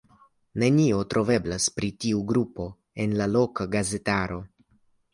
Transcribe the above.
Nenio troveblas pri tiu grupo en la loka gazetaro.